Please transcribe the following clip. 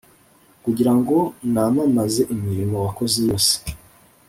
Kugira ngo namamaze imirimo wakoze yose